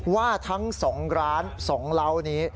ว่าทั้ง๒ร้าน๒เล้านี้